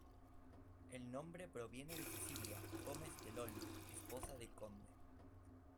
El nombre proviene de Cecilia Gómez del Olmo, esposa de Conde.